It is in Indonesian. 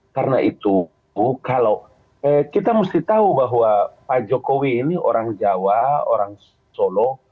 karena itu bu kalau kita mesti tahu bahwa pak jokowi ini orang jawa orang solo